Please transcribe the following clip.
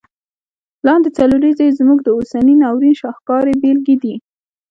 لاندي څلوریځي یې زموږ د اوسني ناورین شاهکاري بیلګي دي.